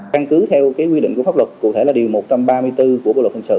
căn cứ theo quy định của pháp luật cụ thể là điều một trăm ba mươi bốn của bộ luật hình sự